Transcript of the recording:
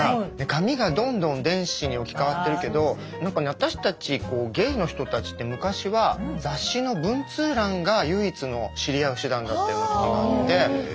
紙がどんどん電子に置き換わってるけど私たちゲイの人たちって昔は雑誌の文通欄が唯一の知り合う手段だったような時があって。